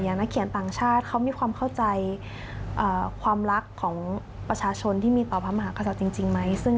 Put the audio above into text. นักเขียนต่างชาติเขามีความเข้าใจความรักของประชาชนที่มีต่อพระมหากษัตริย์จริงไหม